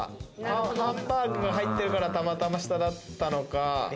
ハンバーグが入ってるから、たまたま下だったのか。